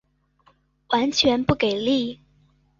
完全不给力